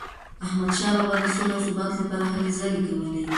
احمدشاه بابا د سولې او ثبات لپاره هلي ځلي کولي.